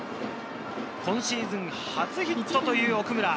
今シーズン初ヒットという奥村。